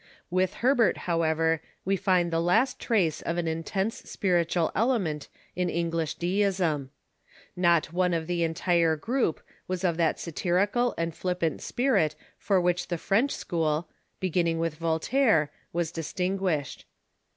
With Herbert, however, we find the last trace of an intense spiritual element in Eng lish Deism. Not one of the entire group was of that satirical and flippant spirit for which the French school, beginning Avith Voltaire, was distinguished.